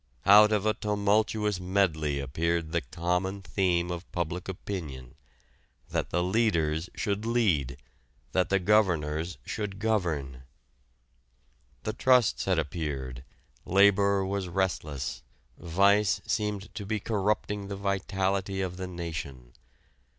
Out of a tumultuous medley appeared the common theme of public opinion that the leaders should lead, that the governors should govern. The trusts had appeared, labor was restless, vice seemed to be corrupting the vitality of the nation.